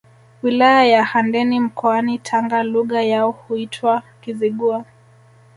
Wilaya ya Handeni mkoani Tanga Lugha yao huitwa Kizigua